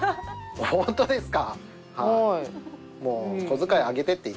本当ですか！？